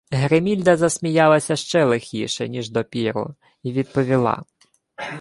Гримільда засміялася ще лихіше, ніж допіру, й відповіла;